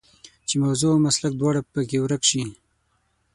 چې موضوع او مسلک دواړه په کې ورک شي.